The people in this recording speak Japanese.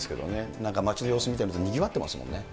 なんか街の様子を見ていると、にぎわってますもんね。